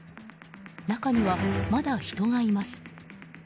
中には、まだ人がいます。